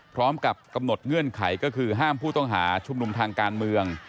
พร้อมกับกำหนดเงื่อนไขก็คือห้ามผู้ต้องหาชุมนุมทางการเมือง